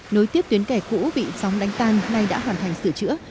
nối tiếp tuyến kè cũ bị sóng đánh tan nay đã hoàn thành sửa chữa